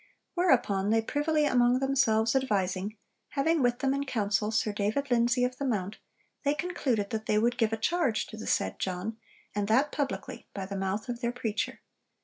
Whereupon, they privily among themselves advising, having with them in council Sir David Lindsay of the Mount, they concluded that they would give a charge to the said John, and that publicly by the mouth of their preacher.'